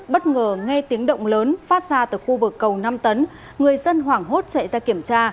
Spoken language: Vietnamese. bất ngờ nghe tiếng động lớn phát ra từ khu vực cầu năm tấn người dân hoảng hốt chạy ra kiểm tra